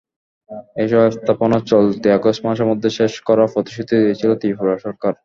এসব স্থাপনা চলতি আগস্ট মাসের মধ্যে শেষ করার প্রতিশ্রুতি দিয়েছিল ত্রিপুরা সরকার।